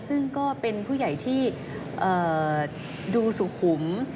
ซึ่งก็เป็นผู้ใหญ่ที่ดูสุขุม